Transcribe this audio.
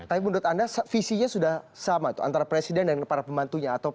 tapi menurut anda visinya sudah sama antara presiden dan para pembantunya